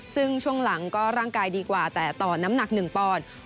ซึ่งช่วงหลังก็ร่างกายดีกว่าแต่ต่อน้ำหนัก๑ปอนด์